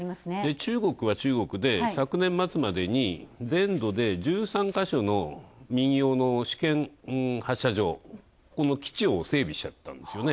中国は中国で、昨年末までに全土で１３か所の民用の試験発車場、基地を整備しちゃったんですよね。